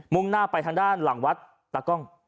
่งหน้าไปทางด้านหลังวัดตากล้อง